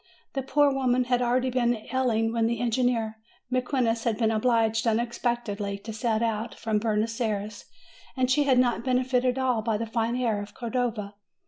The poor woman had already been ailing when the engineer Mequinez had been obliged unexpect edly to set out from Buenos Ayres, and she had not benefited at all by the fine air of Cordova.